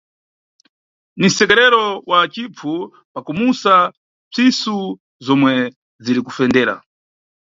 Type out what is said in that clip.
Ni msekerero wa cipfu pa kumusa mpsisu zomwe ziri kufendera.